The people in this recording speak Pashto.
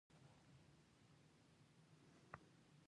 نورستان د افغانستان د شنو سیمو ښکلا ده.